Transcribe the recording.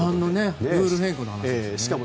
ルール変更の話ですね。